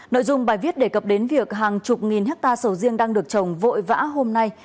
nội dung bài viết đề cập đến việc hàng chục nghìn hectare sầu riêng đang được trồng vội vã hôm nay